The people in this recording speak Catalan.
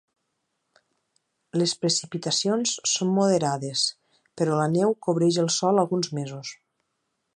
Les precipitacions són moderades, però la neu cobreix el sòl alguns mesos.